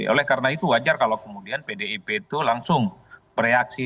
oleh karena itu wajar kalau kemudian pdip itu langsung bereaksi